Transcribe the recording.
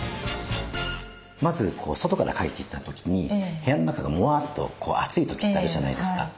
まず外から帰ってきた時に部屋の中がモワと暑い時ってあるじゃないですか。